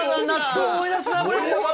思い出すな、これ。